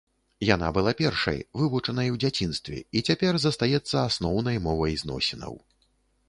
Яна была першай, вывучанай у дзяцінстве, і цяпер застаецца асноўнай мовай зносінаў.